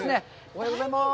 おはようございます。